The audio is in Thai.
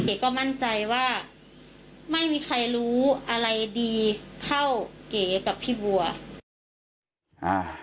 ก็มั่นใจว่าไม่มีใครรู้อะไรดีเท่าเก๋กับพี่บัวอ่า